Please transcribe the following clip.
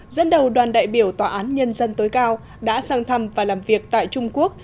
dẫn đầu đoàn đại biểu tòa án nhân dân tối cao đã sang thăm và làm việc tại trung quốc